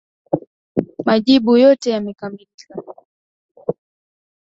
Majibu yote yamekamilika.